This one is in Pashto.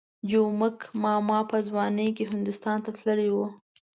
جومک ماما په ځوانۍ کې هندوستان ته تللی وو.